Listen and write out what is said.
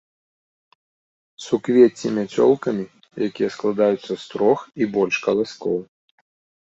Суквецці мяцёлкамі, якія складаюцца з трох і больш каласкоў.